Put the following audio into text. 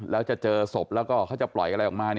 แล้วจะเจอศพแล้วก็เขาจะปล่อยอะไรออกมา